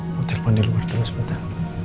mau telpon di luar dulu sebentar